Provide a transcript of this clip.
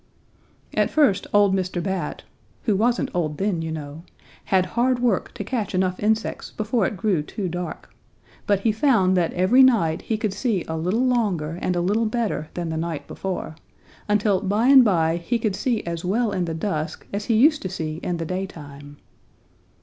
"At first old Mr. Bat, who wasn't old then, you know, had hard work to catch enough insects before it grew too dark, but he found that every night he could see a little longer and a little better than the night before, until by and by he could see as well in the dusk as he used to see in the daytime.